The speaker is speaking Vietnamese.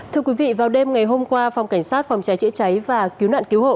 thưa quý vị vào đêm ngày hôm qua phòng cảnh sát phòng cháy chữa cháy và cứu nạn cứu hộ